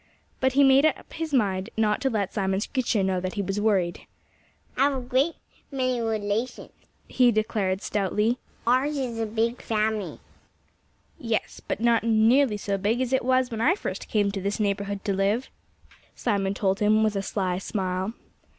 But he made up his mind not to let Simon Screecher know that he was worried. "I have a great many relations," he declared stoutly. "Ours is a big family." "Yes but not nearly so big as it was when I first came to this neighborhood to live," Simon told him with a sly smile.